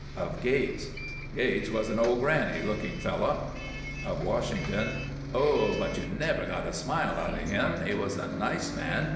Of Gates : Gates was an " old granny " looking fel low. Of Washington : Oh ! but you never got a smile out of him. He was a nice man.